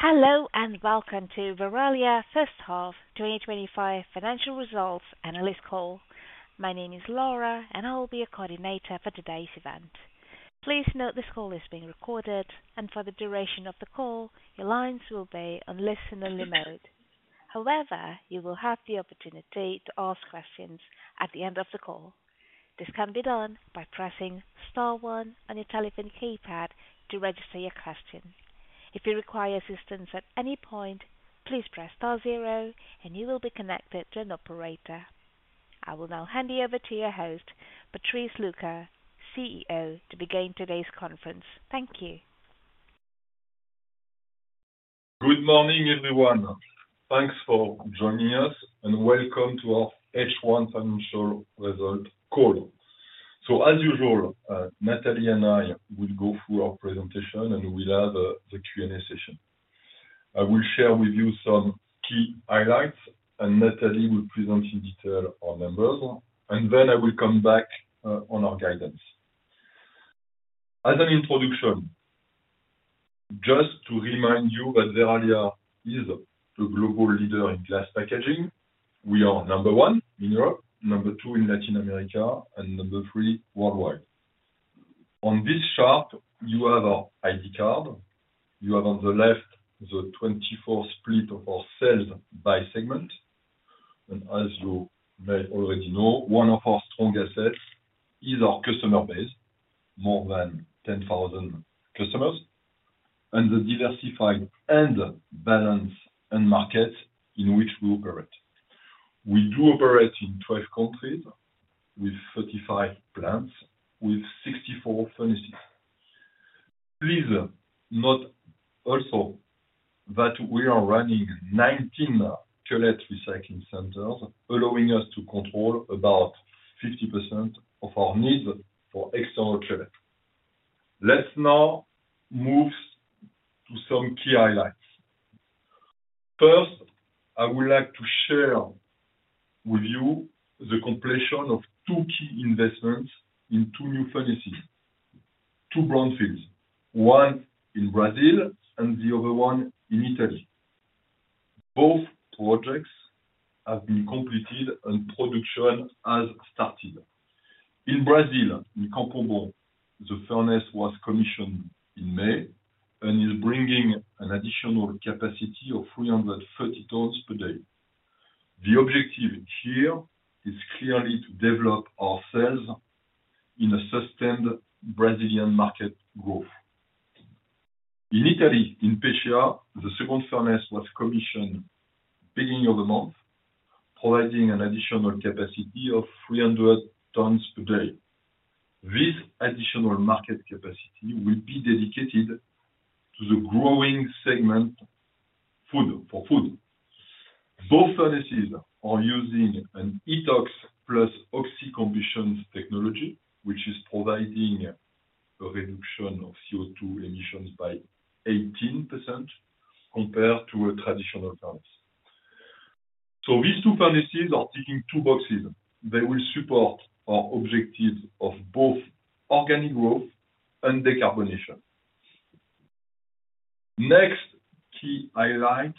Hello and welcome to Verallia first half 2025 financial results analyst call. My name is Laura, and I'll be your coordinator for today's event. Please note this call is being recorded, and for the duration of the call, your lines will be on listen only mode. However, you will have the opportunity to ask questions at the end of the call. This can be done by pressing star one on your telephone keypad to register your question. If you require assistance at any point, please press star zero, and you will be connected to an operator. I will now hand you over to your host, Patrice Lucas, CEO, to begin today's conference. Thank you. Good morning, everyone. Thanks for joining us and welcome to our H1 financial results call. As usual, Nathalie and I will go through our presentation and we'll have the Q&A session. I will share with you some key highlights, and Nathalie will present in detail our numbers, and then I will come back on our guidance. As an introduction, just to remind you that Verallia is the global leader in glass packaging. We are number one in Europe, number two in Latin America, and number three worldwide. On this chart, you have our ID card. You have on the left the 2024 split of our sales by segment. As you may already know, one of our strong assets is our customer base, more than 10,000 customers, and the diversified and balanced market in which we operate. We do operate in 12 countries with 35 plants, with 64 furnaces. Please note also that we are running 19 cullet recycling centers, allowing us to control about 50% of our needs for external cullet. Let's now move to some key highlights. First, I would like to share with you the completion of two key investments in two new furnaces, two brownfields, one in Brazil and the other one in Italy. Both projects have been completed and production has started. In Brazil, in Campo Bom, the furnace was commissioned in May and is bringing an additional capacity of 330 tons per day. The objective here is clearly to develop ourselves in a sustained Brazilian market growth. In Italy, in Pescia, the second furnace was commissioned at the beginning of the month, providing an additional capacity of 300 tons per day. This additional market capacity will be dedicated to the growing segment of food. Both furnaces are using an HeatOx plus oxy-combustion technology, which is providing a reduction of CO2 emissions by 18% compared to a traditional furnace. These two furnaces are ticking two boxes. They will support our objectives of both organic growth and decarbonation. Next key highlight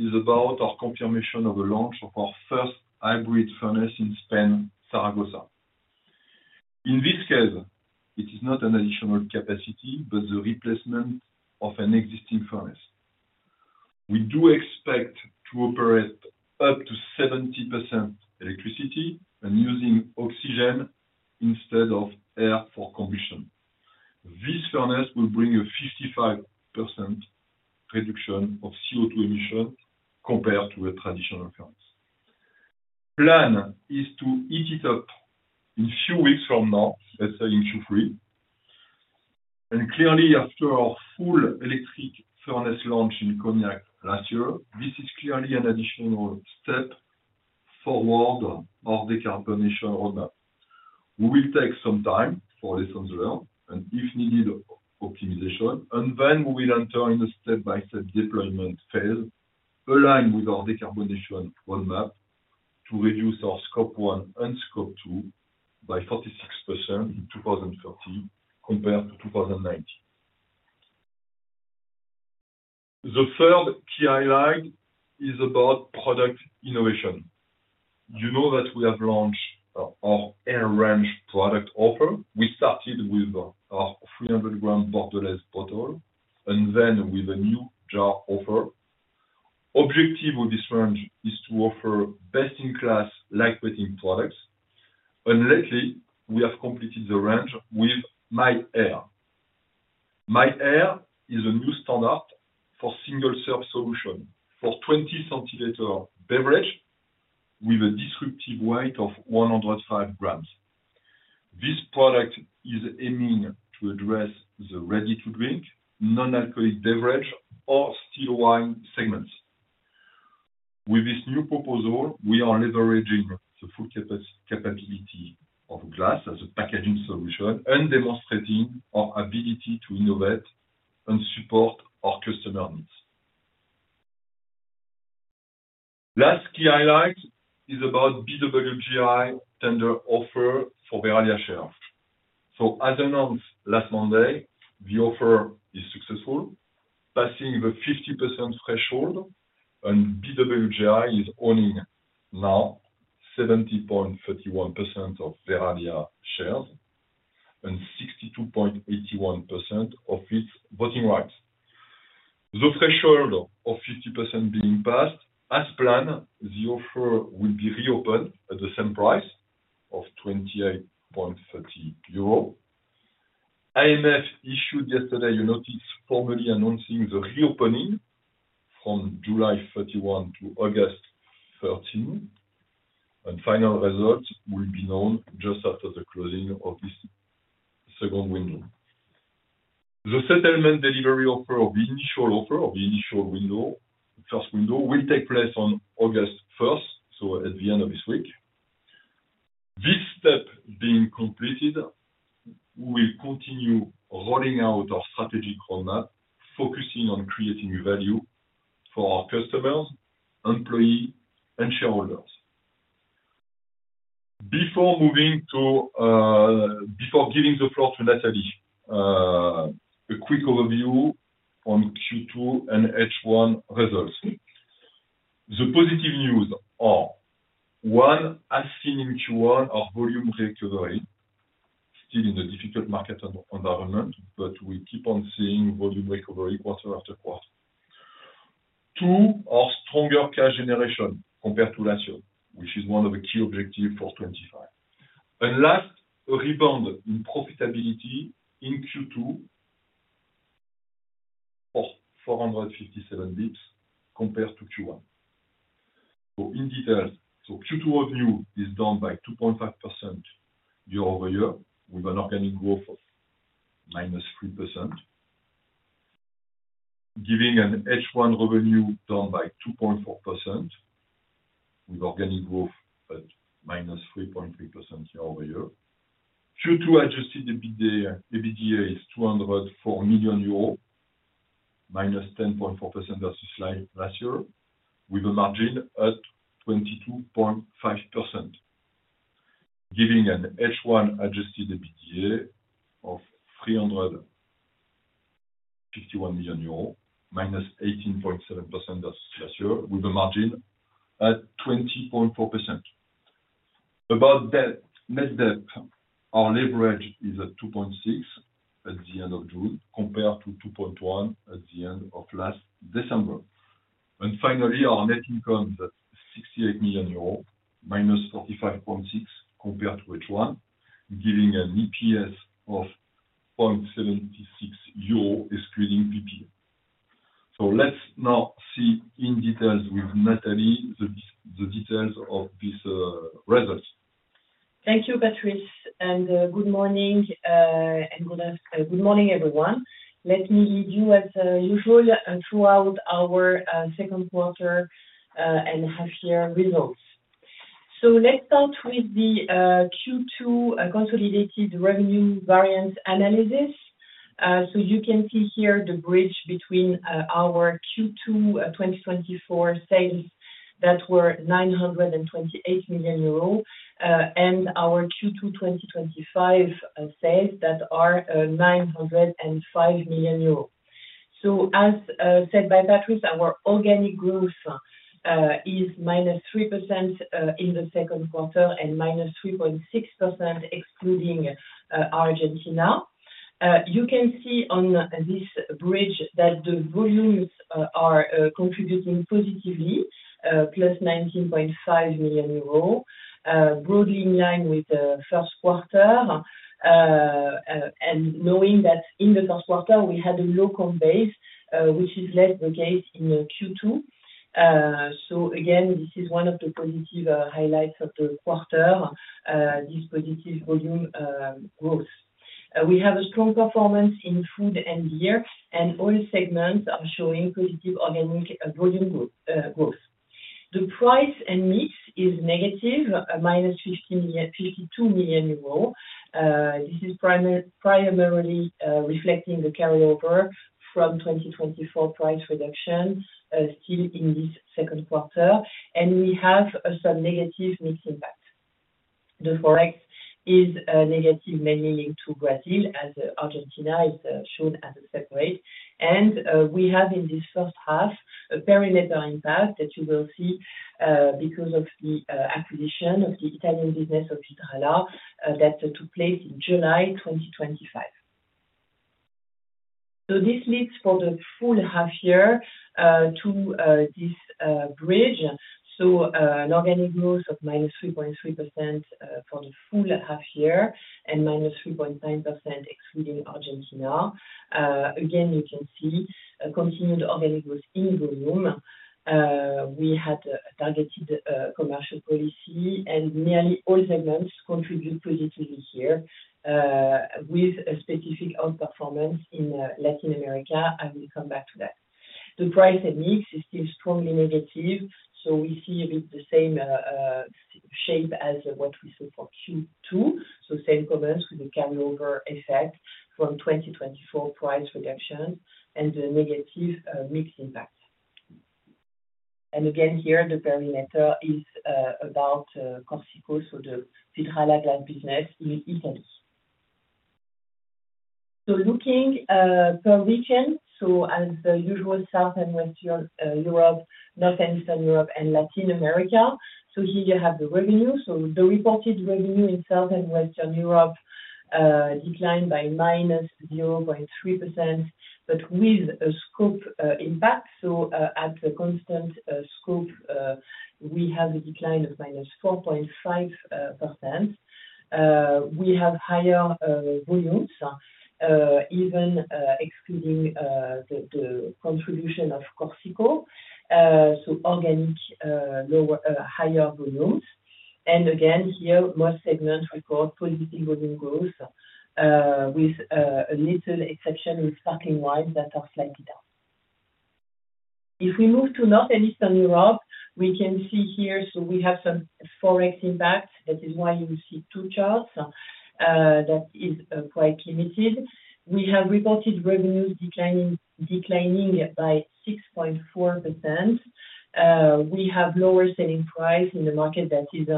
is about our confirmation of the launch of our first hybrid furnace in Spain, Zaragoza. In this case, it is not an additional capacity, but the replacement of an existing furnace. We do expect to operate up to 70% electricity and using oxygen instead of air for combustion. This furnace will bring a 55% reduction of CO2 emissions compared to a traditional furnace. The plan is to heat it up in a few weeks from now, let's say in Q3. Clearly, after our full electric furnace launch in Cognac last year, this is an additional step forward on our decarbonation roadmap. We will take some time for lessons learned and, if needed, optimization, and then we will enter in a step-by-step deployment phase aligned with our decarbonation roadmap to reduce our Scope 1 and 2 by 46% in 2030 compared to 2019. The third key highlight is about product innovation. You know that we have launched our Air Range product offer. We started with our 300g Bordelaise bottle and then with a new jar offer. The objective of this range is to offer best-in-class lightweight products. Lately, we have completed the range with My AIR. My AIR is a new standard for single-serve solution for 20 cL beverage with a disruptive weight of 105 g. This product is aiming to address the ready-to-drink, non-alcoholic beverage, or still wine segments. With this new proposal, we are leveraging the full capability of glass as a packaging solution and demonstrating our ability to innovate and support our customer needs. The last key highlight is about BWGI tender offer for Verallia share. As announced last Monday, the offer is successful, passing the 50% threshold, and BWGI is owning now 70.31% of Verallia shares and 62.81% of its voting rights. The threshold of 50% being passed, as planned, the offer will be reopened at the same price of 28.30 euro. IMF issued yesterday a notice formally announcing the reopening from July 31 to August 13, and the final result will be known just after the closing of this second window. The settlement delivery of the initial offer, of the initial window, the first window will take place on August 1, so at the end of this week. This step being completed, we will continue rolling out our strategic roadmap, focusing on creating value for our customers, employees, and shareholders. Before giving the floor to Nathalie, a quick overview on Q2 and H1 results. The positive news are, one, as seen in Q1, our volume recovery, still in a difficult market environment, but we keep on seeing volume recovery quarter-after-quarter. Two, our stronger cash generation compared to last year, which is one of the key objectives for 2025. Last, a rebound in profitability in Q2 of 457 bps compared to Q1. In detail, Q2 revenue is down by 2.5% year-over-year with an organic growth of -3%, giving an H1 revenue down by 2.4% with organic growth at -3.3% year-over-year. Q2 adjusted EBITDA is 204 million euro, -10.4% versus last year, with a margin at 22.5%, giving an H1 adjusted EBITDA of 351 million euros, -18.7% versus last year, with a margin at 20.4%. About debt, net debt, our leverage is at 2.6x at the end of June compared to 2.1x at the end of last December. Finally, our net income is at 68 million euros, -45.6% compared to H1, giving an EPS of 0.76 euro excluding PPA. Let's now see in detail with Nathalie the details of this result. Thank you, Patrice, and good morning, and good morning, everyone. Let me lead you as usual throughout our second quarter and half-year results. Let's start with the Q2 consolidated revenue variance analysis. You can see here the bridge between our Q2 2024 sales that were 928 million euro and our Q2 2025 sales that are 905 million euro. As said by Patrice, our organic growth is -3% in the second quarter and -3.6% excluding Argentina. You can see on this bridge that the volumes are contributing positively, +19.5 million euros, broadly in line with the first quarter. Knowing that in the first quarter we had a low comp base, which is less the case in Q2. This is one of the positive highlights of the quarter, this positive volume growth. We have a strong performance in food and beer, and all segments are showing positive organic volume growth. The price and mix is negative, -52 million euros. This is primarily reflecting the carryover from 2024 price reduction still in this second quarter, and we have some negative mix impact. The forex is negative, mainly in Brazil, as Argentina is shown as a separate. We have in this first half a perimeter impact that you will see because of the acquisition of the Italian business of Vidrala that took place in July 2025. This leads for the full half-year to this bridge, so an organic growth of -3.3% for the full half-year and -3.9% excluding Argentina. You can see continued organic growth in volume. We had a targeted commercial policy, and nearly all segments contribute positively here with a specific outperformance in Latin America. I will come back to that. The price and mix is still strongly negative, so we see a bit the same shape as what we saw for Q2, same comments with a carryover effect from 2024 price reductions and the negative mix impact. Here, the perimeter is about Corsico, so the Vidrala glass business in Italy. Looking per region, as usual, South and Western Europe, North and Eastern Europe, and Latin America, here you have the revenue. The reported revenue in South and Western Europe declined by -0.3%, but with a scope impact, at the constant scope, we have a decline of -4.5%. We have higher volumes, even excluding the contribution of Corsico, so organic lower, higher volumes. Most segments record positive volume growth with a little exception in sparkling wines that are slightly down. If we move to North and Eastern Europe, we can see here, so we have some forex impact. That is why you see two charts that are quite limited. We have reported revenues declining by 6.4%. We have lower selling price in the market that is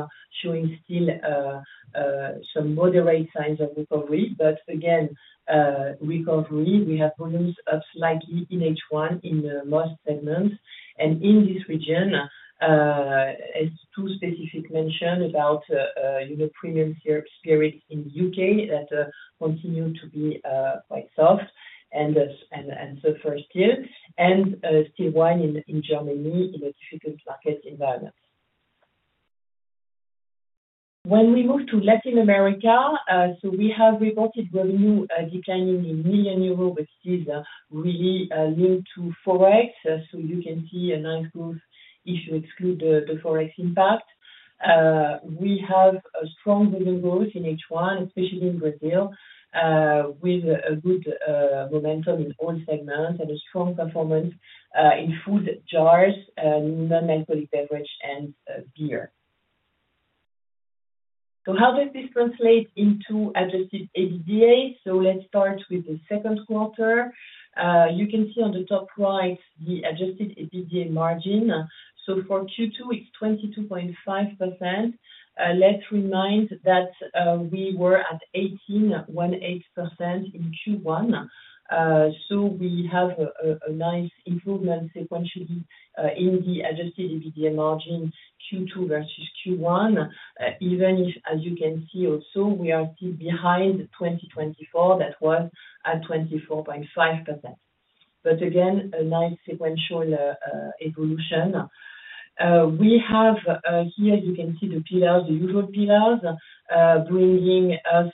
showing still some moderate signs of recovery, but again, recovery. We have volumes up slightly in H1 in most segments. In this region, as two specifics mentioned about premium spirits in the U.K. that continue to be quite soft and suffer still, and still wine in Germany in a difficult market environment. When we move to Latin America, we have reported revenue declining in million euros, but it is really linked to forex. You can see a nice growth if you exclude the forex impact. We have a strong volume growth in H1, especially in Brazil, with a good momentum in all segments and a strong performance in food, jars, non-alcoholic beverage, and beer. How does this translate into adjusted EBITDA? Let's start with the second quarter. You can see on the top right the adjusted EBITDA margin. For Q2, it's 22.5%. Let's remind that we were at 18.18% in Q1. We have a nice improvement sequentially in the adjusted EBITDA margin Q2 versus Q1, even if, as you can see also, we are still behind 2024 that was at 24.5%. Again, a nice sequential evolution. You can see the pillars, the usual pillars, bringing us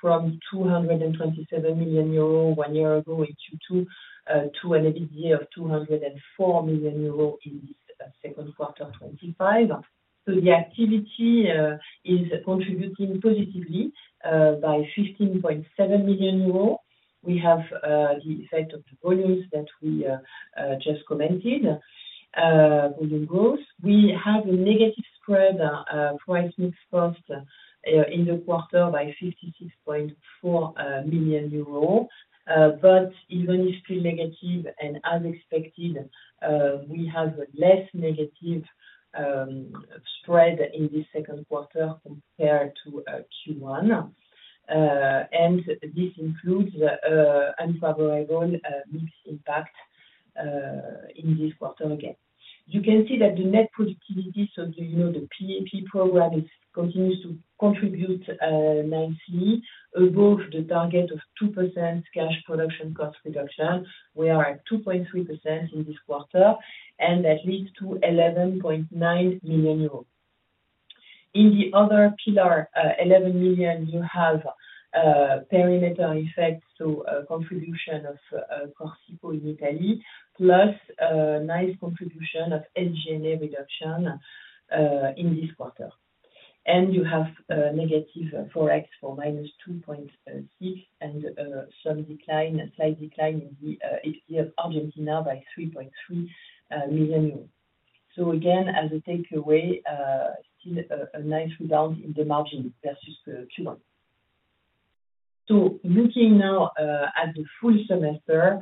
from 227 million euro one year ago in Q2 to an EBITDA of 204 million euro in this second quarter 2025. The activity is contributing positively by 15.7 million euros. We have the effect of the volumes that we just commented, volume growth. We have a negative spread price mix cost in the quarter by 56.4 million euros. Even if still negative and as expected, we have a less negative spread in this second quarter compared to Q1. This includes an unfavorable mix impact in this quarter again. You can see that the net productivity, so the PAP program continues to contribute nicely above the target of 2% cash production cost reduction. We are at 2.3% in this quarter, and that leads to 11.9 million euros. In the other pillar, 11 million, you have a perimeter effect, so a contribution of Corsico in Italy, plus a nice contribution of SG&A reduction in this quarter. You have a negative forex for -2.6% and some decline, a slight decline in the EBITDA of Argentina by 3.3 million euros. Again, as a takeaway, still a nice rebound in the margin versus Q1. Looking now at the full semester,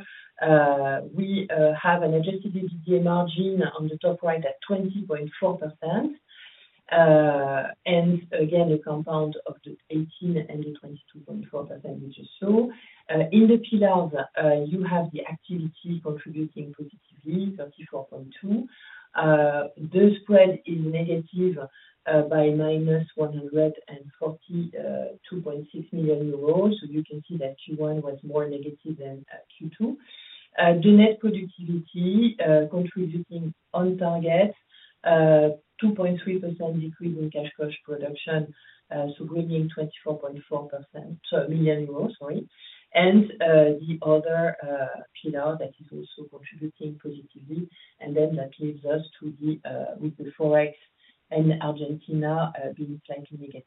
we have an adjusted EBITDA margin on the top right at 20.4%. Again, a compound of the 18% and the 22.4%, which is so. In the pillars, you have the activity contributing positively, 34.2%. The spread is negative by minus 142.6 million euros. You can see that Q1 was more negative than Q2. The net productivity contributing on target, 2.3% decrease in cash cost production, bringing 24.4 million euros, sorry. The other pillar is also contributing positively. That leaves us to the forex and Argentina being slightly negative.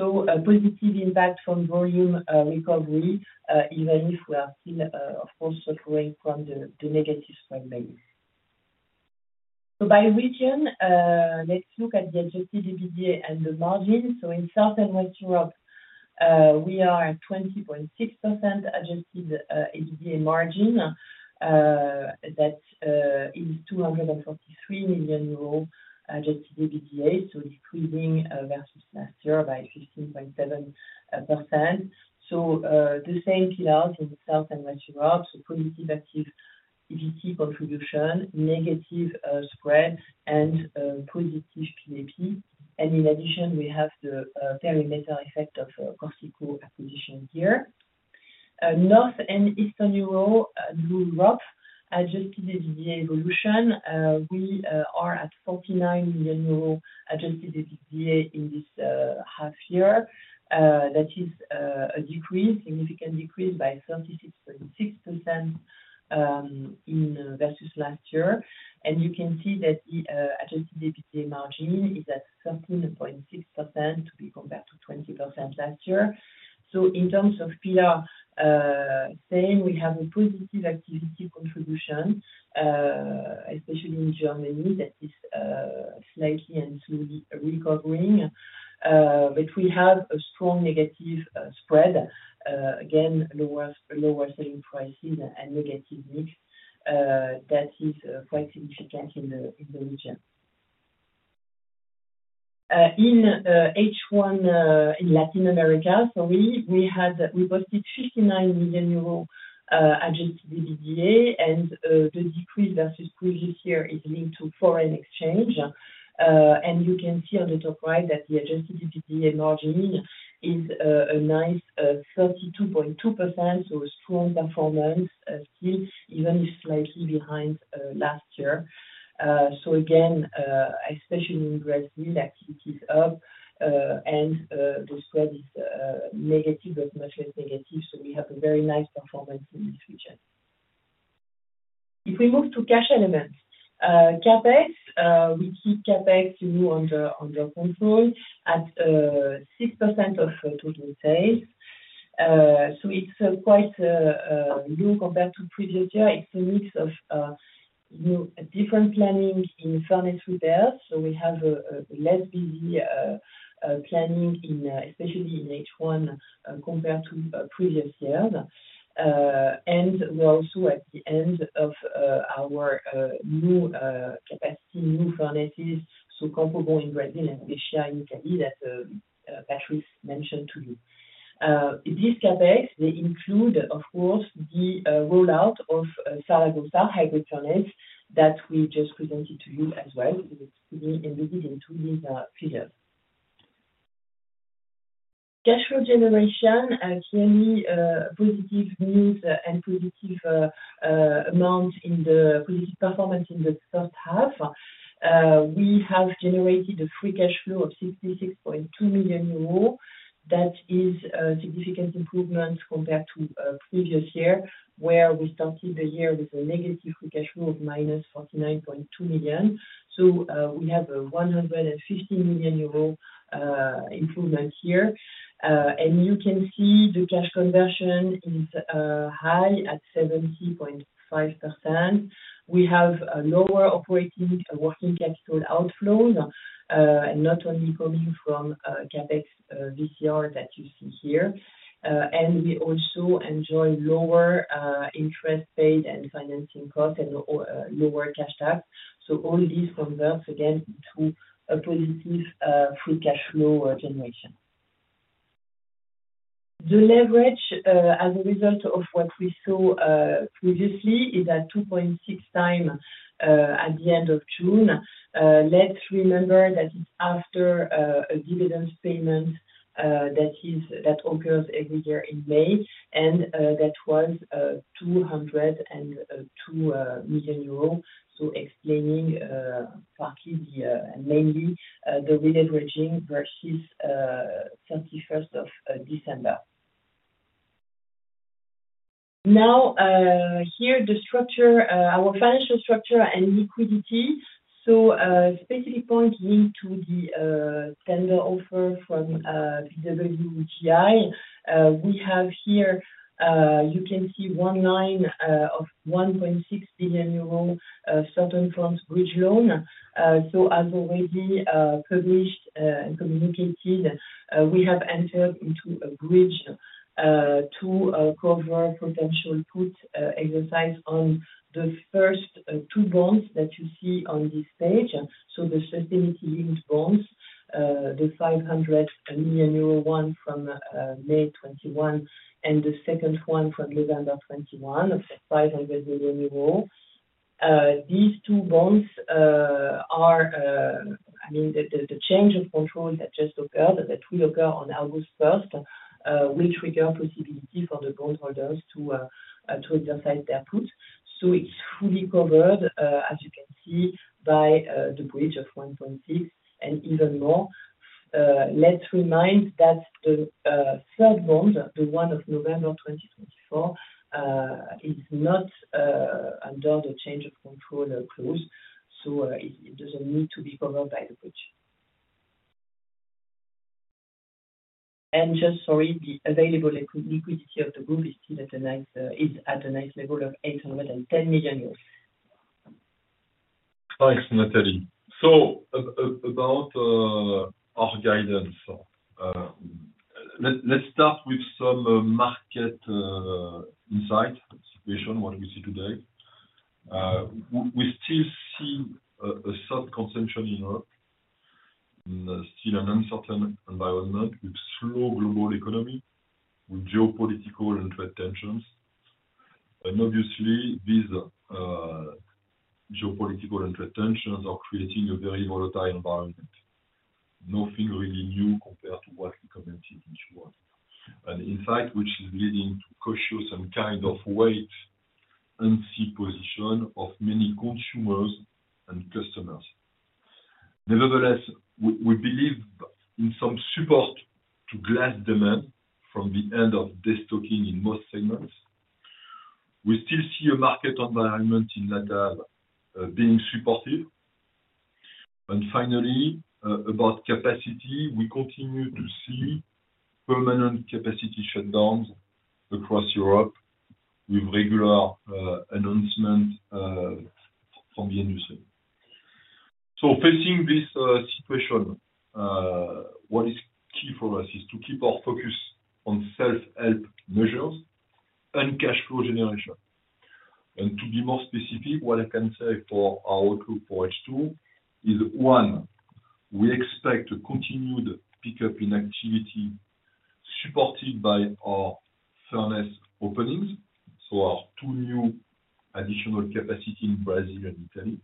A positive impact from volume recovery, even if we are still, of course, suffering from the negative spread base. By region, let's look at the adjusted EBITDA and the margin. In South and West Europe, we are at 20.6% adjusted EBITDA margin. That is EUR 243 million adjusted EBITDA, decreasing versus last year by 15.7%. The same pillars in South and West Europe: positive activity contribution, negative spread, and positive PPA. In addition, we have the perimeter effect of Corsico acquisition here. North and Eastern Europe, adjusted EBITDA evolution, we are at 49 million euro adjusted EBITDA in this half-year. That is a significant decrease by 36.6% versus last year. You can see that the adjusted EBITDA margin is at 13.6% compared to 20% last year. In terms of pillar, same, we have a positive activity contribution, especially in Germany that is slightly and slowly recovering. We have a strong negative spread. Again, lower selling prices and negative mix. That is quite significant in the region. In H1, in Latin America, we had reported EUR 59 million adjusted EBITDA, and the decrease versus previous year is linked to foreign exchange. You can see on the top right that the adjusted EBITDA margin is a nice 32.2%, a strong performance still, even if slightly behind last year. Especially in Brazil, activity is up and the spread is negative, but much less negative. We have a very nice performance in this region. If we move to cash elements, CapEx, we keep CapEx under control at 6% of total sales. It's quite low compared to previous year. It's a mix of different planning in furnace repairs. We have a less busy planning, especially in H1 compared to previous years. We're also at the end of our new capacity, new furnaces, so Campo Bom in Brazil and Pescia in Italy that Patrice mentioned to you. This CapEx, they include, of course, the rollout of Zaragoza hybrid furnace that we just presented to you as well. It's being embedded into this pillar. Cash flow generation, clearly positive news and positive amount in the positive performance in the first half. We have generated a free cash flow of 66.2 million euros. That is a significant improvement compared to the previous year where we started the year with a negative free cash flow of -49.2 million. We have a 115 million euro improvement here. You can see the cash conversion is high at 70.5%. We have a lower operating working capital outflows, and not only coming from CapEx VCR that you see here. We also enjoy lower interest paid and financing costs and lower cash tax. All this converts again to a positive free cash flow generation. The leverage as a result of what we saw previously is at 2.6x at the end of June. Let's remember that it's after a dividends payment that occurs every year in May. That was 202 million euros. Explaining partly and mainly the re-leveraging versus 31st of December. Now, here the structure, our financial structure and liquidity. Specific point linked to the tender offer from BWGI. We have here, you can see one line of 1.6 billion euro of certain funds bridge loan. As already published and communicated, we have entered into a bridge to cover potential put exercise on the first two bonds that you see on this page. The sustainability-linked bonds, the 500 million euro one from May 2021 and the second one from November 2021 of 500 million euro. These two bonds are, I mean, the change of control that just occurred, that will occur on August 1st, will trigger a possibility for the bondholders to exercise their put. It's fully covered, as you can see, by the bridge of 1.6 billion and even more. Let's remind that the third bond, the one of November 2024, is not under the change of control clause. It doesn't need to be covered by the bridge. The available liquidity of the group is still at a nice level of 810 million euros. Thanks, Nathalie. About our guidance, let's start with some market insight situation, what we see today. We still see a sudden consumption in Europe, still an uncertain environment with slow global economy, with geopolitical and trade tensions. Obviously, these geopolitical and trade tensions are creating a very volatile environment. Nothing really new compared to what we commented in Q1. Insight, which is leading to cautious and kind of wait and see position of many consumers and customers. Nevertheless, we believe in some support to glass demand from the end of the stocking in most segments. We still see a market environment in LatAm being supportive. Finally, about capacity, we continue to see permanent capacity shutdowns across Europe with regular announcements from the industry. Facing this situation, what is key for us is to keep our focus on self-help measures and cash flow generation. To be more specific, what I can say for our workload for H2 is, one, we expect a continued pickup in activity supported by our furnace openings, so our two new additional capacity in Brazil and Italy,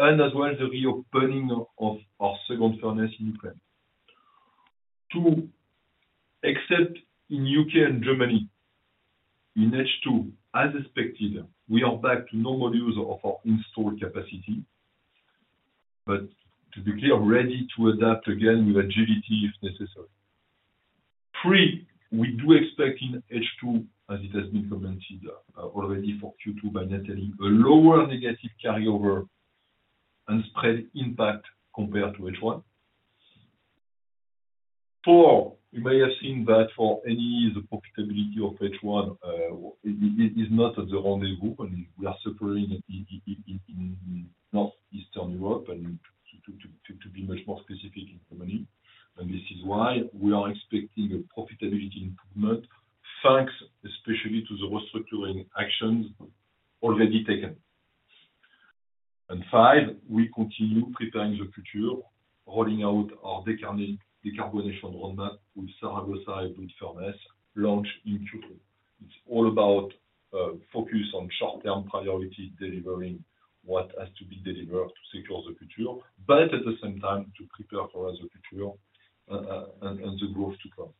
as well as the reopening of our second furnace in Ukraine. Two, except in the U.K. and Germany, in H2, as expected, we are back to normal use of our installed capacity, but to be clear, ready to adapt again with agility if necessary. Three, we do expect in H2, as it has been commented already for Q2 by Nathalie, a lower negative carryover and spread impact compared to H1. Four, you may have seen that for any of the profitability of H1, it is not at the rendezvous, and we are suffering in North and Eastern Europe, and to be much more specific in Germany. This is why we are expecting a profitability improvement, thanks especially to the restructuring actions already taken. Five, we continue preparing the future, rolling out our decarbonation roadmap with Zaragoza hybrid furnace launch in Q3. It's all about focus on short-term priorities, delivering what has to be delivered to secure the future, but at the same time, to prepare for the future and the growth to come.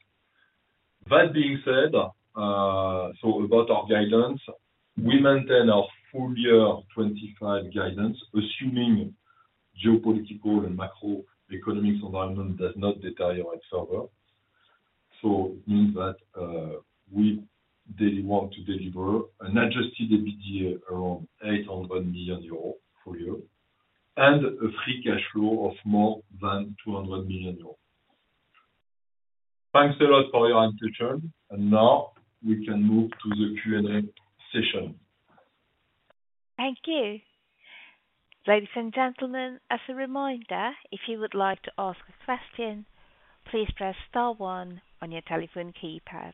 That being said, about our guidance, we maintain our full year 2025 guidance, assuming geopolitical and macroeconomic environment does not deteriorate further. It means that we really want to deliver an adjusted EBITDA around 800 million euros for you and a free cash flow of more than 200 million euros. Thanks a lot for your attention. Now we can move to the Q&A session. Thank you. Ladies and gentlemen, as a reminder, if you would like to ask a question, please press star one on your telephone keypad.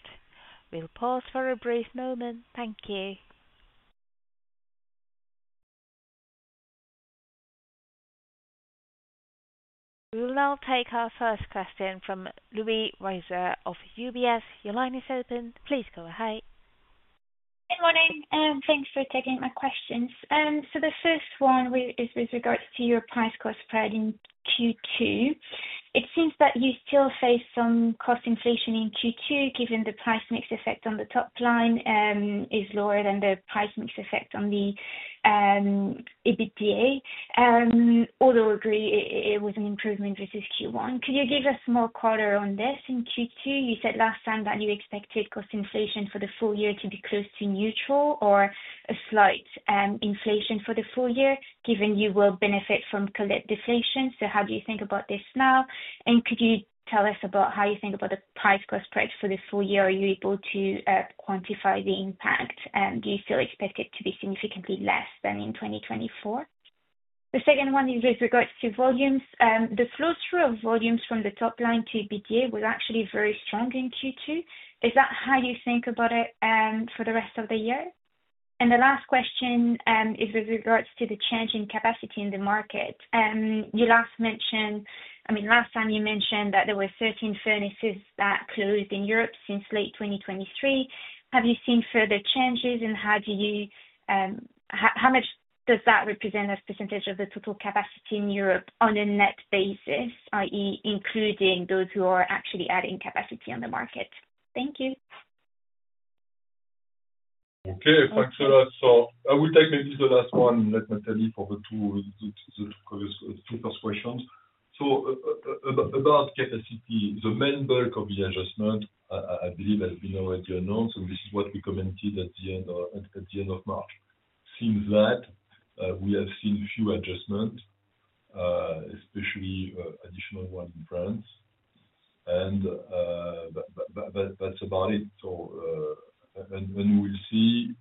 We'll pause for a brief moment. Thank you. We'll now take our first question from Louise Wiseur of UBS. Your line is open. Please go ahead. Good morning. Thanks for taking my questions. The first one is with regards to your price-cost spread in Q2. It seems that you still face some cost inflation in Q2, given the price mix effect on the top line is lower than the price mix effect on the EBITDA, although I agree it was an improvement versus Q1. Could you give us more color on this in Q2? You said last time that you expected cost inflation for the full year to be close to neutral or a slight inflation for the full year, given you will benefit from cullet deflation. How do you think about this now? Could you tell us about how you think about the price-cost spread for the full year? Are you able to quantify the impact? Do you still expect it to be significantly less than in 2024? The second one is with regards to volumes. The flow-through of volumes from the top line to EBITDA was actually very strong in Q2. Is that how you think about it for the rest of the year? The last question is with regards to the change in capacity in the market. Last time you mentioned that there were 13 furnaces that closed in Europe since late 2023. Have you seen further changes, and how much does that represent as a percentage of the total capacity in Europe on a net basis, i.e., including those who are actually adding capacity on the market? Thank you. Okay. Thanks a lot. I will take maybe the last one, let Nathalie, for the two first questions. About capacity, the main bulk of the adjustment, I believe, has been already announced, and this is what we commented at the end of March. It seems that we have seen few adjustments, especially additional one in France. That's about it. We will see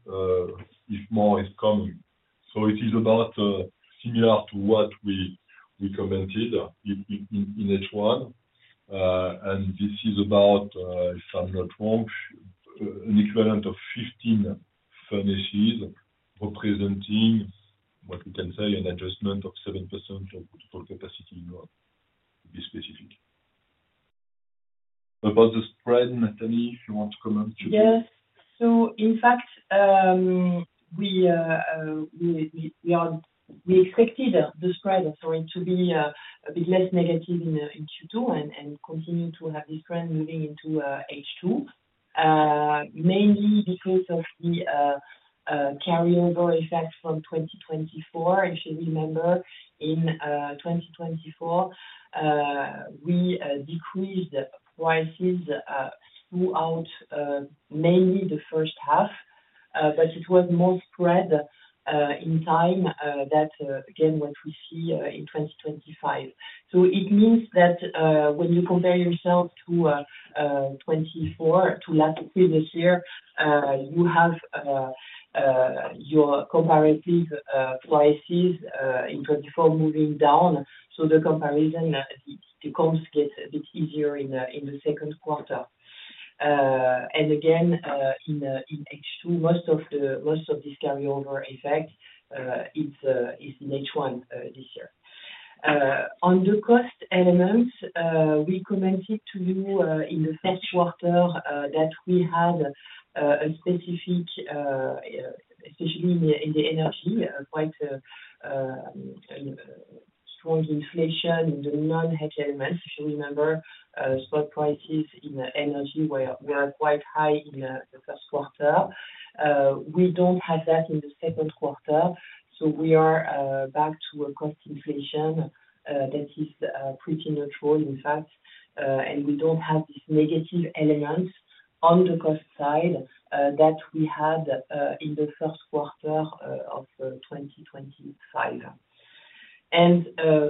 if more is coming. It is about similar to what we commented in H1. This is about, if I'm not wrong, an equivalent of 15 furnaces representing what we can say an adjustment of 7% of total capacity in Europe, to be specific. About the spread, Nathalie, if you want to comment. Yes. In fact, we expected the spread, sorry, to be a bit less negative in Q2 and continue to have this trend moving into H2, mainly because of the carryover effect from 2024. If you remember, in 2024, we decreased prices throughout mainly the first half, but it was more spread in time than, again, what we see in 2025. It means that when you compare yourself to 2024, to last previous year, you have your comparative prices in 2024 moving down. The comparison, the comps get a bit easier in the second quarter. Again, in H2, most of this carryover effect is in H1 this year. On the cost elements, we commented to you in the first quarter that we had a specific, especially in the energy, quite strong inflation in the non-heat elements. If you remember, spot prices in energy were quite high in the first quarter. We don't have that in the second quarter. We are back to a cost inflation that is pretty neutral, in fact. We don't have this negative element on the cost side that we had in the first quarter of 2025.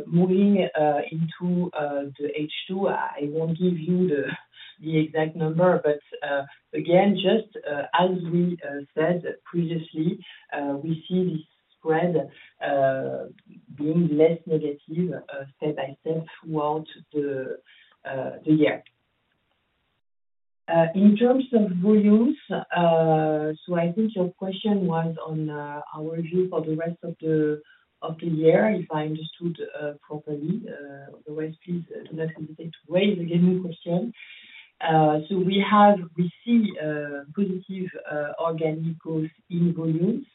Moving into H2, I won't give you the exact number, but again, just as we said previously, we see this spread being less negative step by step throughout the year. In terms of volumes, I think your question was on our view for the rest of the year, if I understood properly. Otherwise, please do not hesitate to raise again the question. We see positive organic growth in volumes.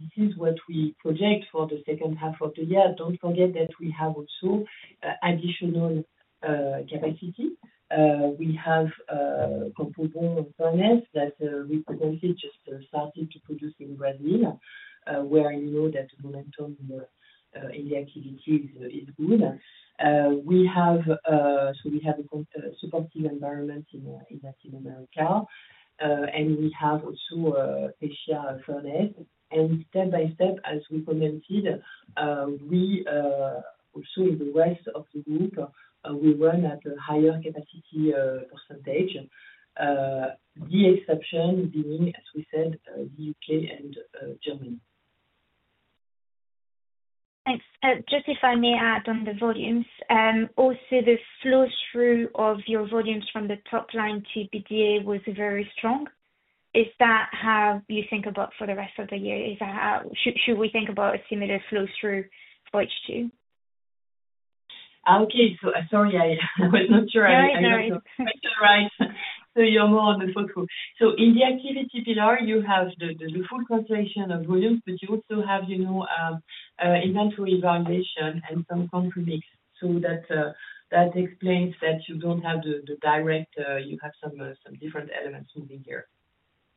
This is what we project for the second half of the year. Don't forget that we have also additional capacity. We have Campo Bom furnace that we commented just started to produce in Brazil, where you know that the momentum in the activity is good. We have a supportive environment in Latin America. We have also Pescia furnace. Step by step, as we commented, we also in the rest of the group, we run at a higher capacity percentage, the exception being, as we said, the U.K. and Germany. Thanks. Just if I may add on the volumes, also, the flow-through of your volumes from the top line to EBITDA was very strong. Is that how you think about for the rest of the year? Is that how should we think about a similar flow-through for H2? Sorry, I was not sure I got it. No, no, no. That's all right. You're more on the focal. In the activity pillar, you have the full translation of volumes, but you also have inventory evaluation and some comp remix. That explains that you don't have the direct, you have some different elements moving here.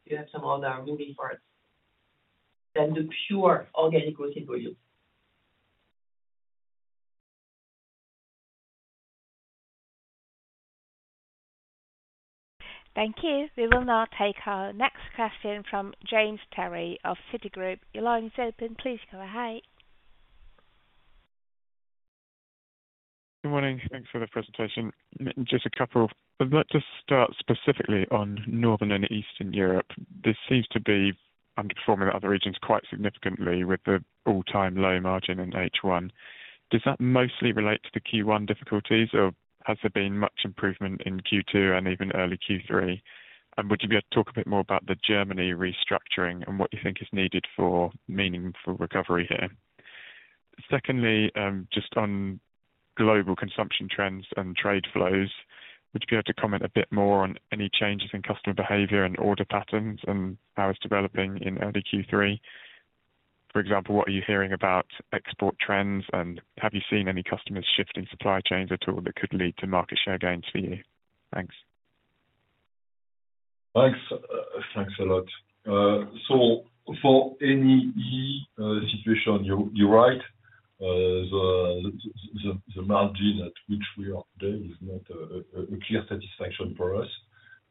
You have some other moving parts than the pure organic rotating volume. Thank you. We will now take our next question from James Perry of Citigroup. Your line is open. Please go ahead. Good morning. Thanks for the presentation. Just a couple of questions. Let's start specifically on North and Eastern Europe. This seems to be underperforming the other regions quite significantly with the all-time low margin in H1. Does that mostly relate to the Q1 difficulties, or has there been much improvement in Q2 and even early Q3? Would you be able to talk a bit more about the Germany restructuring and what you think is needed for meaningful recovery here? Secondly, just on global consumption trends and trade flows, would you be able to comment a bit more on any changes in customer behavior and order patterns and how it's developing in early Q3? For example, what are you hearing about export trends, and have you seen any customers shifting supply chains at all that could lead to market share gains for you? Thanks. Thanks. Thanks a lot. For any situation, you're right. The margin at which we are today is not a clear satisfaction for us.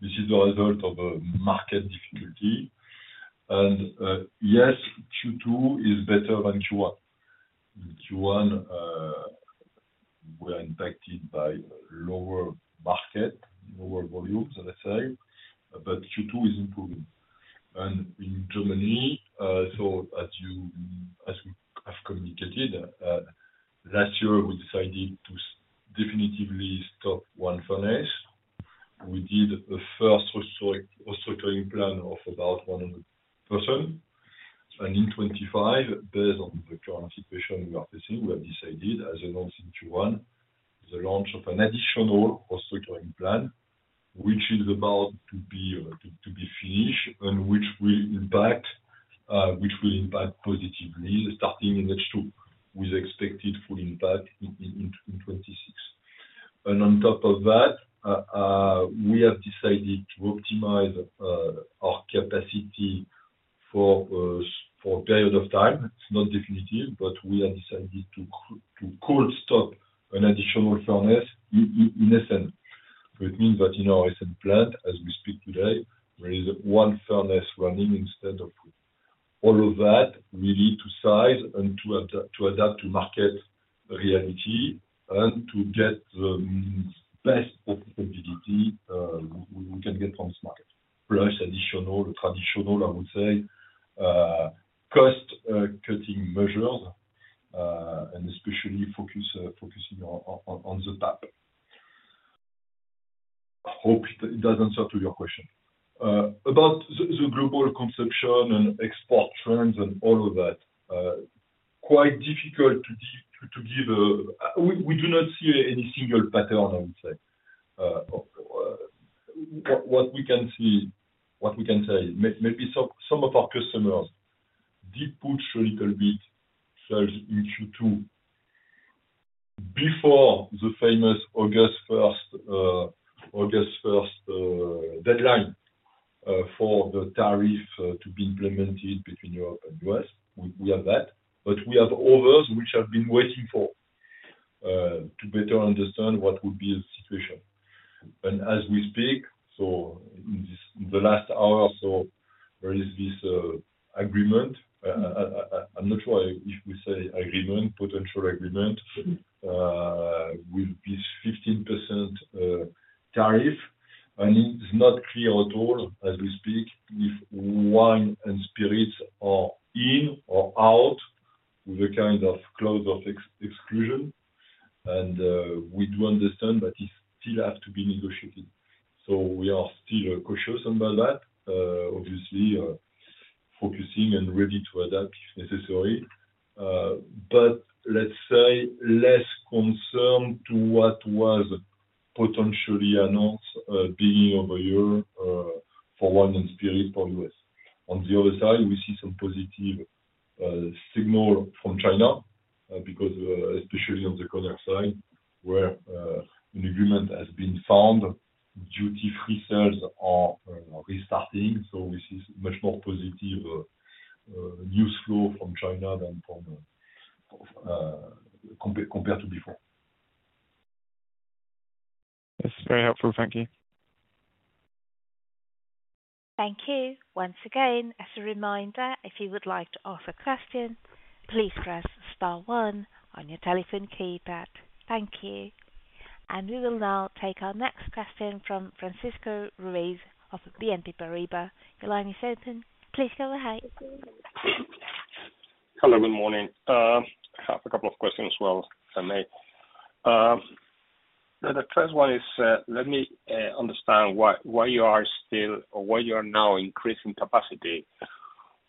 This is the result of a market difficulty. Yes, Q2 is better than Q1. In Q1, we are impacted by lower market, lower volumes, let's say, but Q2 is improving. In Germany, as you have communicated, last year, we decided to definitively stop one furnace. We did a first restructuring plan of about 100%. In 2025, based on the current situation we are facing, we have decided, as announced in Q1, the launch of an additional restructuring plan, which is about to be finished and which will impact positively starting in H2, with expected full impact in 2026. On top of that, we have decided to optimize our capacity for a period of time. It's not definitive, but we have decided to cold stop an additional furnace in Essen. It means that in our Essen plant, as we speak today, there is one furnace running instead of three. All of that, we need to size and to adapt to market reality and to get the best profitability we can get from this market. Plus additional, the traditional, I would say, cost-cutting measures, and especially focusing on the tap. Hope it does answer to your question. About the global consumption and export trends and all of that, quite difficult to give a, we do not see any single pattern, I would say. What we can see, what we can say, maybe some of our customers did push a little bit in Q2 before the famous August 1st deadline for the tariff to be implemented between Europe and the U.S. We have that, but we have others which have been waiting to better understand what would be the situation. As we speak, in the last hour or so, there is this agreement. I'm not sure if we say agreement, potential agreement with this 15% tariff. It's not clear at all, as we speak, if wine and spirits are in or out with a kind of cloud of exclusion. We do understand that it still has to be negotiated. We are still cautious about that, obviously focusing and ready to adapt if necessary. Let's say less concern to what was potentially announced at the beginning of the year for wine and spirits for the U.S. On the other side, we see some positive signal from China because especially on the Cognac side where an agreement has been found, duty-free sales are restarting. We see much more positive news flow from China than from compared to before. That's very helpful. Thank you. Thank you. Once again, as a reminder, if you would like to ask a question, please press star one on your telephone keypad. Thank you. We will now take our next question from Francisco Ruiz of BNP Paribas. Your line is open. Please go ahead. Hello. Good morning. I have a couple of questions as well if I may. The first one is, let me understand why you are still or why you are now increasing capacity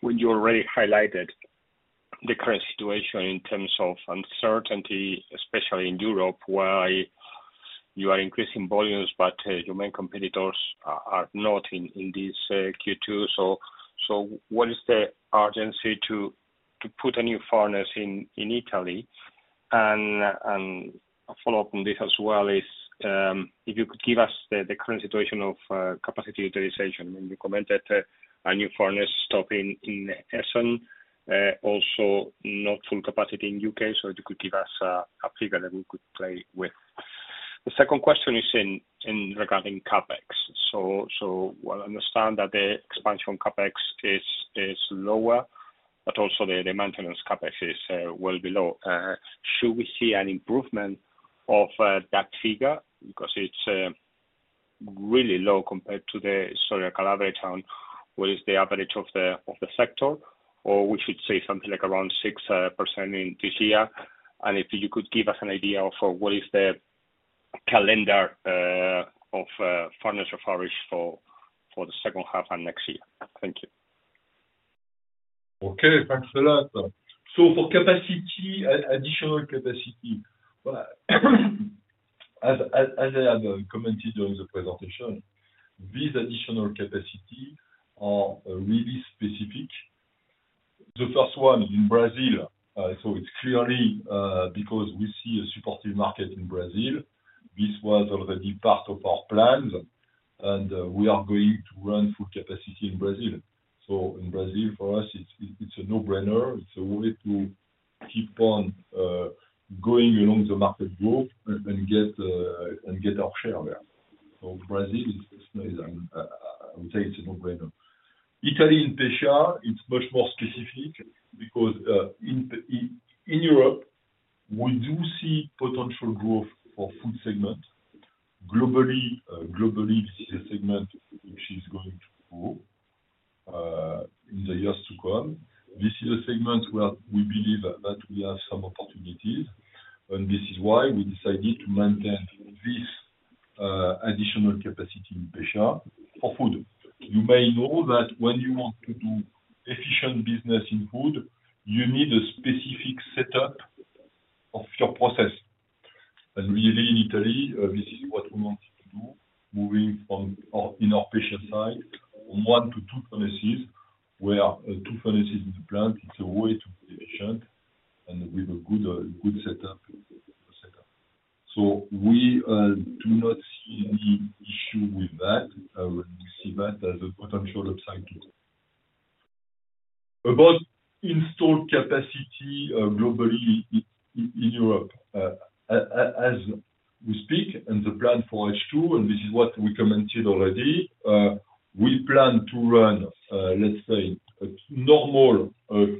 when you already highlighted the current situation in terms of uncertainty, especially in Europe, why you are increasing volumes, but your main competitors are not in this Q2. What is the urgency to put a new furnace in Italy? A follow-up on this as well is, if you could give us the current situation of capacity utilization. I mean, you commented a new furnace stopping in Essen, also not full capacity in the U.K. If you could give us a figure that we could play with. The second question is regarding CapEx. I understand that the expansion CapEx is lower, but also the maintenance CapEx is well below. Should we see an improvement of that figure because it's really low compared to the, sorry, I can elaborate on what is the average of the sector, or we should say something like around 6% in this year? If you could give us an idea of what is the calendar of furnace refurbished for the second half and next year. Thank you. Okay. Thanks a lot. For capacity, additional capacity, as I have commented during the presentation, these additional capacities are really specific. The first one in Brazil, it's clearly because we see a supportive market in Brazil. This was already part of our plans, and we are going to run full capacity in Brazil. In Brazil, for us, it's a no-brainer. It's a way to keep on going along the market growth and get our share there. Brazil is, I would say, it's a no-brainer. Italy and Pescia, it's much more specific because in Europe, we do see potential growth for the food segment. Globally, this is a segment which is going to grow in the years to come. This is a segment where we believe that we have some opportunities, and this is why we decided to maintain this additional capacity in Pescia for food. You may know that when you want to do efficient business in food, you need a specific setup of your process. In Italy, this is what we wanted to do, moving from in our Pescia site from one to two furnaces, where two furnaces in the plant, it's a way to be efficient and with a good setup. We do not see any issue with that, and we see that as a potential upside too. About installed capacity globally in Europe, as we speak and the plan for H2, and this is what we commented already, we plan to run, let's say, a normal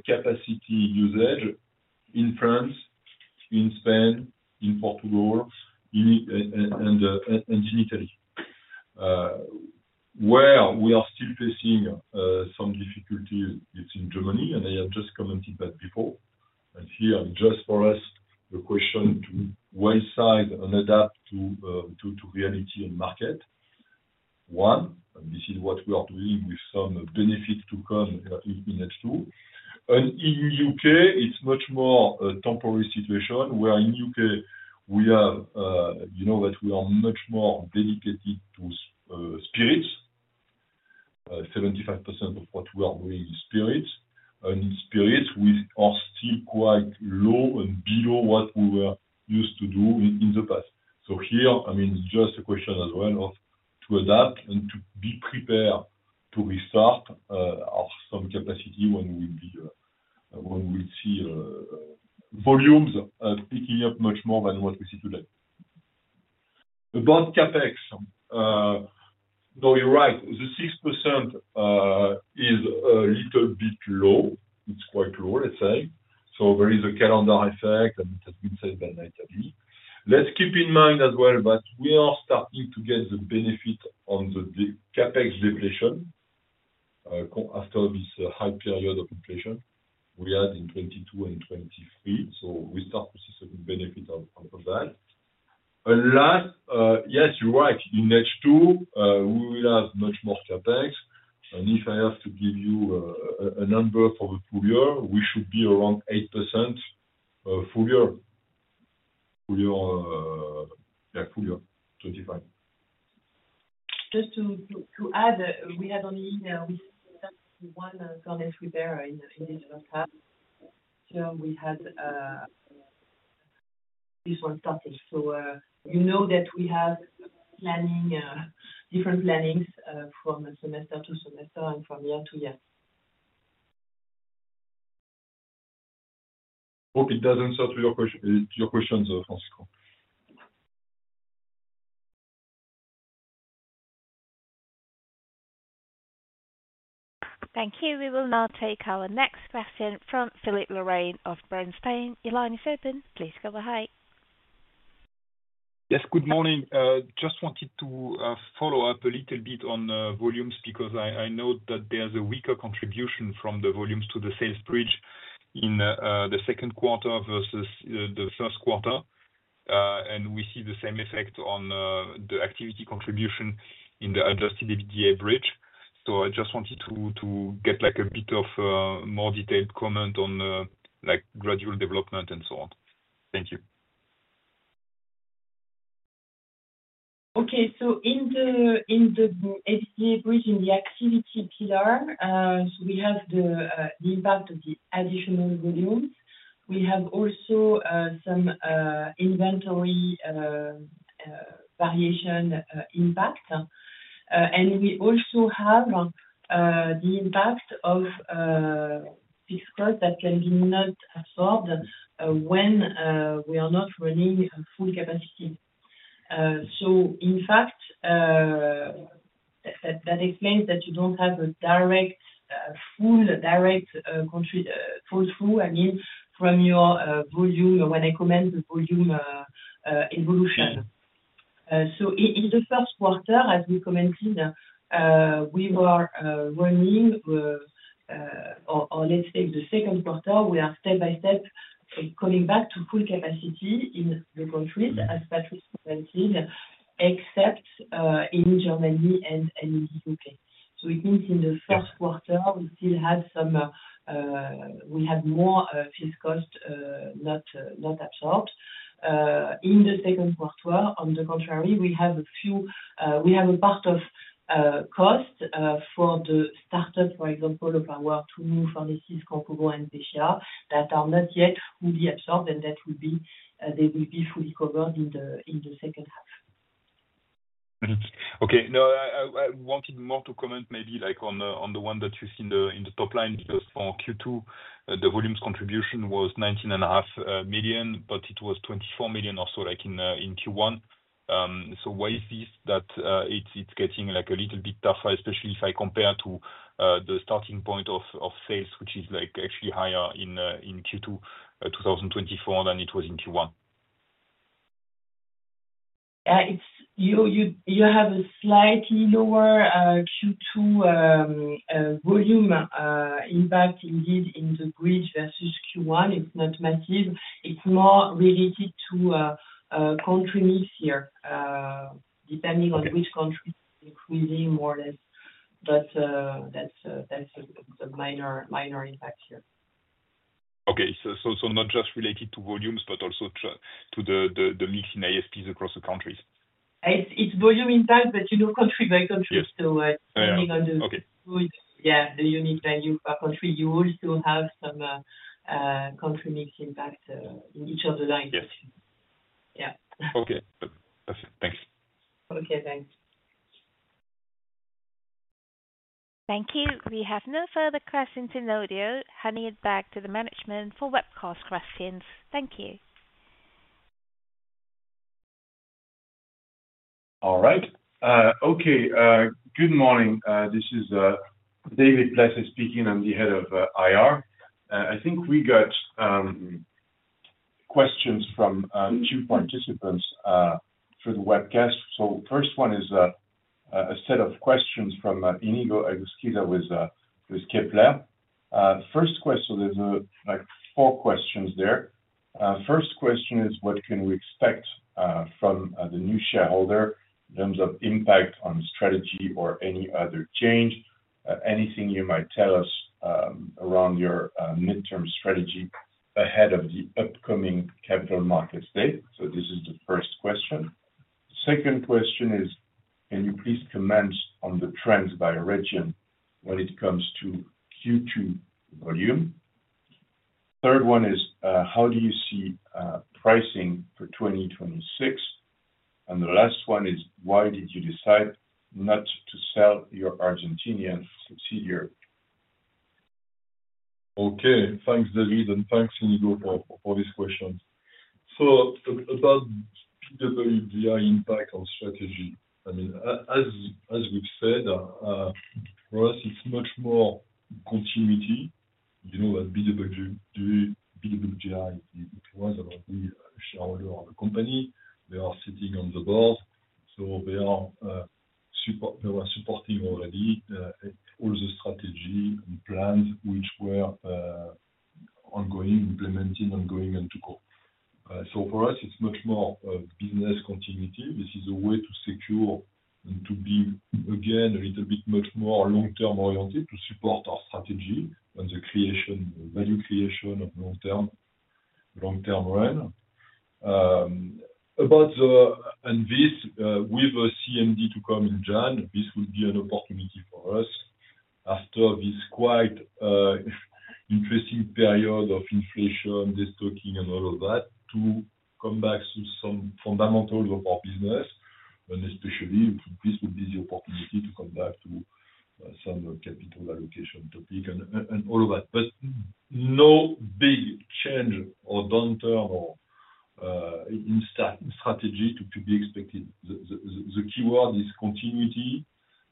capacity usage in France, in Spain, in Portugal, and in Italy. Where we are still facing some difficulties is in Germany, and I have just commented that before. Here, for us, the question is to wayside and adapt to reality and market. One, and this is what we are doing with some benefits to come in H2. In the U.K., it's a much more temporary situation where in the U.K., you know that we are much more dedicated to spirits. 75% of what we are doing is spirits. In spirits, we are still quite low and below what we were used to do in the past. Here, it's just a question as well of adapting and being prepared to restart some capacity when we see volumes picking up much more than what we see today. About CapEx, you're right. The 6% is a little bit low. It's quite low, let's say. There is a calendar effect, and it has been said by Nathalie. Let's keep in mind as well that we are starting to get the benefit on the CapEx deflation after this high period of inflation we had in 2022 and 2023. We start to see some benefits out of that. Last, yes, you're right. In H2, we will have much more CapEx. If I have to give you a number for the full year, we should be around 8% full year, yeah, full year, 2025. Just to add, we had only one furnace repair in this last half. We had this one started. You know that we have different plannings from semester to semester and from year-to-year. Hope it does answer to your questions, Francisco. Thank you. We will now take our next question from Philip Lorrain of Bernstein. Your line is open. Please go ahead. Yes. Good morning. Just wanted to follow up a little bit on volumes because I note that there's a weaker contribution from the volumes to the sales bridge in the second quarter versus the first quarter. We see the same effect on the activity contribution in the adjusted EBITDA bridge. I just wanted to get like a bit of a more detailed comment on gradual development and so on. Thank you. Okay. In the EBITDA bridge, in the activity pillar, we have the impact of the additional volumes. We also have some inventory variation impact. We also have the impact of fixed costs that can be not absorbed when we are not running full capacity. In fact, that explains that you don't have a full direct fall through, I mean, from your volume when I comment the volume evolution. In the first quarter, as we commented, we were running, or let's say in the second quarter, we are step by step coming back to full capacity in the countries as Patrice commented, except in Germany and in the U.K. It means in the first quarter, we still had more fixed costs not absorbed. In the second quarter, on the contrary, we have a part of cost for the startup, for example, of our two furnaces, Campo Bom and Pescia, that are not yet fully absorbed, and they will be fully covered in the second half. Okay. No, I wanted more to comment maybe like on the one that you see in the top line because for Q2, the volumes contribution was 19.5 million, but it was 24 million or so like in Q1. Why is this that it's getting like a little bit tougher, especially if I compare to the starting point of sales, which is actually higher in Q2 2024 than it was in Q1? Yeah. You have a slightly lower Q2 volume impact indeed in the bridge versus Q1. It's not massive. It's more related to country mix here, depending on which country is increasing more or less. That's the minor impact here. Okay. Not just related to volumes, but also to the mix in ISPs across the countries? It's volume impact, but you know, country by country. Depending on the unit value per country, you also have some country mix impact in each of the lines. Yes. Yeah. Okay. Perfect. Thanks. Okay. Thanks. Thank you. We have no further questions in the audio. Handing it back to the management for webcast questions. Thank you. All right. Okay. Good morning. This is David Placet speaking. I'm the Head of IR. I think we got questions from two participants for the webcast. The first one is a set of questions from Iñigo Eguzkiza with Kepler. First question, there's four questions there. First question is, what can we expect from the new shareholder in terms of impact on strategy or any other change? Anything you might tell us around your midterm strategy ahead of the upcoming Capital Markets Day? This is the first question. The second question is, can you please comment on the trends by region when it comes to Q2 volume? The third one is, how do you see pricing for 2026? The last one is, why did you decide not to sell your Argentinian subsidiary? Okay. Thanks, David, and thanks, Iñigo, for these questions. About BWGI impact on strategy, as we've said, for us, it's much more continuity. You know that BWGI, it was about the shareholder of the company. They are sitting on the board. They were supporting already all the strategy and plans which were ongoing, implementing, ongoing, and to go. For us, it's much more business continuity. This is a way to secure and to be, again, a little bit much more long-term oriented to support our strategy and the value creation of long-term run. About the, and this, with a CMD to come in January, this will be an opportunity for us after this quite interesting period of inflation, destocking, and all of that to come back to some fundamentals of our business. Especially, this will be the opportunity to come back to some capital allocation topic and all of that. No big change or downturn in strategy to be expected. The keyword is continuity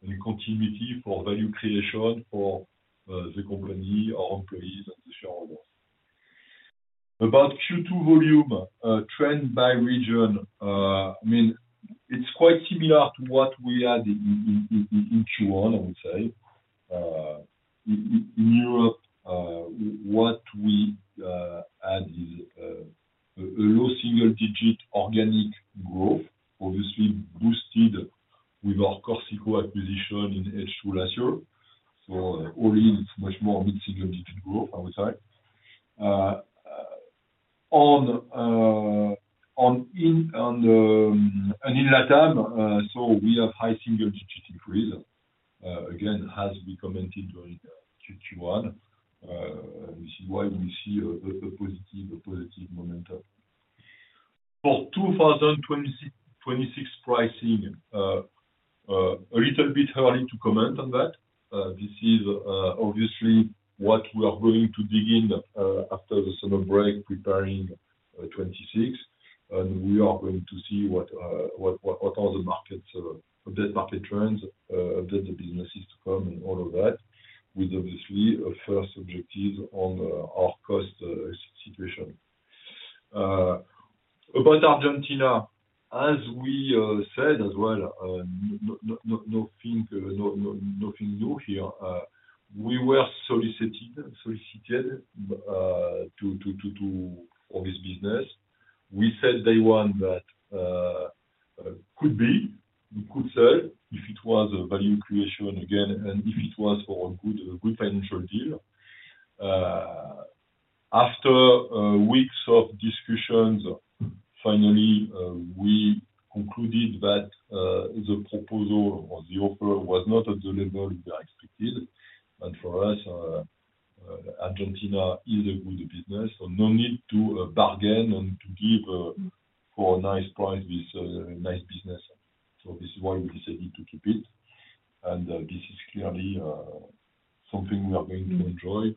and continuity for value creation for the company, our employees, and the shareholders. About Q2 volume trend by region, it's quite similar to what we had in Q1, I would say. In Europe, what we had is a low single-digit organic growth, obviously boosted with our Corsico acquisition in H2 last year. All in, it's much more mid-single-digit growth, I would say. In LatAm, we have high single-digit increase. Again, as we commented during Q1, this is why we see a positive momentum. For 2026 pricing, a little bit early to comment on that. This is obviously what we are going to begin after the summer break, preparing 2026. We are going to see what are the markets, update market trends, update the businesses to come, and all of that, with obviously a first objective on our cost situation. About Argentina, as we said as well, nothing new here. We were solicited to do all this business. We said day one that could be, we could sell if it was a value creation again and if it was for a good financial deal. After weeks of discussions, finally, we concluded that the proposal or the offer was not at the level we were expected. For us, Argentina is a good business. No need to bargain and to give for a nice price this nice business. This is why we decided to keep it. This is clearly something we are going to enjoy.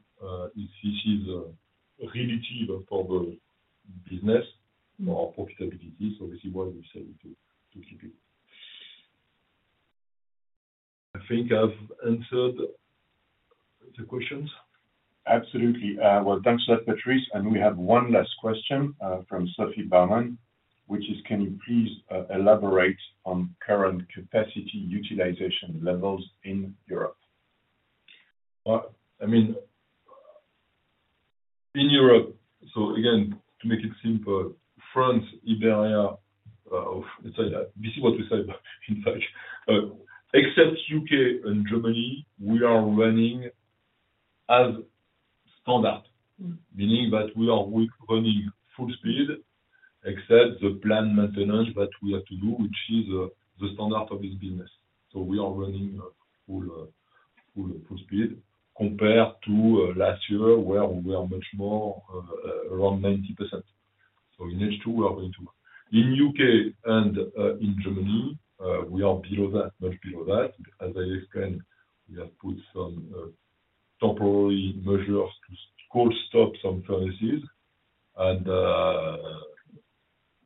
This is a relative for the business for our profitability. This is why we decided to keep it. I think I've answered the questions. Absolutely. Thanks a lot, Patrice. We have one last question from Sophie Bauman, which is, can you please elaborate on current capacity utilization levels in Europe? In Europe, to make it simple, France, Iberia, let's say this is what we said in French. Except U.K. and Germany, we are running as standard, meaning that we are running full speed, except the planned maintenance that we have to do, which is the standard for this business. We are running full speed compared to last year where we were much more around 90%. In H2, we are going to. In the U.K. and in Germany, we are below that, much below that. As I explained, we have put some temporary measures to cold stop some furnaces.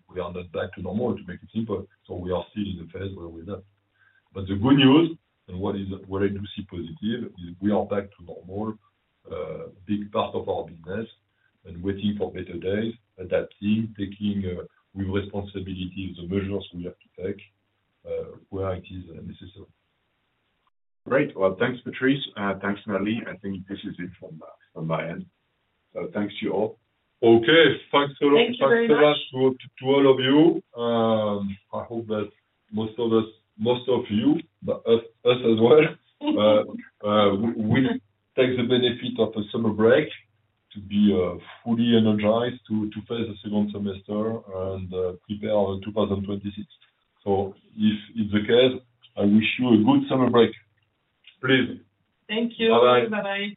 We are not back to normal, to make it simple. We are still in the phase where we left. The good news, and what I do see positive, is we are back to normal, a big part of our business, and waiting for better days, adapting, taking with responsibility the measures we have to take where it is necessary. Great. Thank you, Patrice. Thank you, Nathalie. I think this is it from my end. Thank you to you all. Okay, thanks a lot. Thank you very much. Thanks a lot to all of you. I hope that most of us, most of you, but us as well, will take the benefit of a summer break to be fully energized to face the second semester and prepare on 2026. If it's the case, I wish you a good summer break. Please. Thank you. Bye-bye. Bye-bye.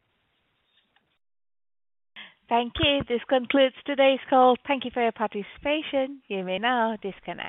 Thank you. This concludes today's call. Thank you for your participation. You may now disconnect.